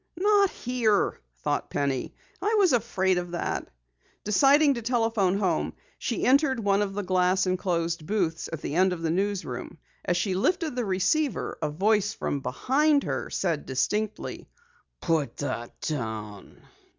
"Not here," thought Penny. "I was afraid of it." Deciding to telephone home, she entered one of the glass enclosed booths at the end of the newsroom. As she lifted the receiver, a voice from behind her said distinctly: "Put that down!"